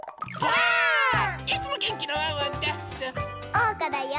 おうかだよ！